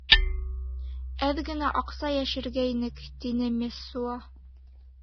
— Әҙ генә аҡса йәшергәйнек, — тине Мессуа.